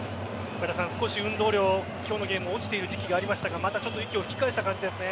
少し運動量、今日のゲーム落ちている時期がありましたがまた息を吹き返した感じですね。